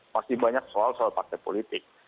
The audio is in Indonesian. masih banyak soal soal partai politik